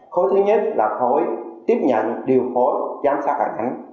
khối thứ nhất là khối tiếp nhận điều khối giám sát hành hành